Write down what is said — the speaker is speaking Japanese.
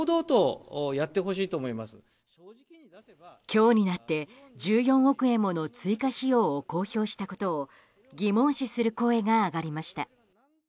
今日になって１４億円もの追加費用を公表したことを疑問視する声が上がりました。